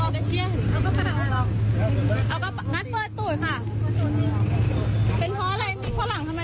เป็นเพราะอะไรฝรั่งทำไมถึงไม่ไป